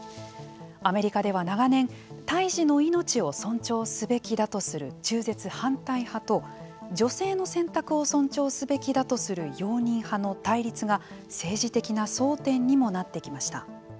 アメリカでは長年胎児の命を尊重すべきだとする中絶反対派と女性の選択を尊重すべきだとする容認派の対立が政治的な争点にもなってきました。